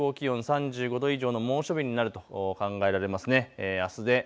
あすも予想最高気温３５度以上の猛暑日になると考えられます。